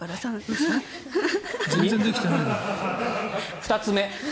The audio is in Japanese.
２つ目。